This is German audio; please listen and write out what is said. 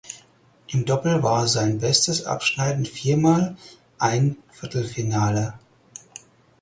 Im Doppel war sein bestes Abschneiden viermal ein Viertelfinale.